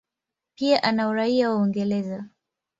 Pia ana uraia wa Uingereza.